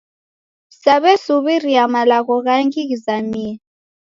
Saw'esuw'iria malagho ghangi ghizamie